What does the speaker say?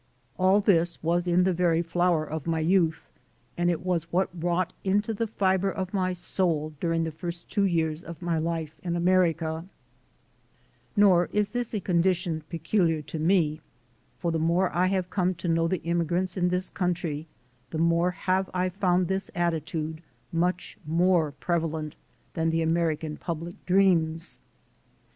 All this was in the very flower of my youth, and it has taken years of conscious struggle to overcome what was wrought into the fiber of my soul during the first two years of my life in America. Nor is this a condition peculiar to me, for the more I have come to know the immigrants in this country, the more have I found this attitude much more preva lent than the American public dreams.